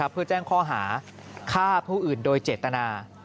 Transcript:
เพื่อแจ้งข้อหาฆ่าผู้อื่นโดยเจตนา